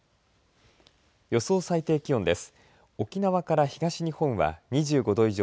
予想最低気温です。